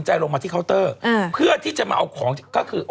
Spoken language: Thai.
บางทีเราเข้าใจอยู่